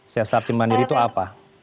sesar cemandiri itu apa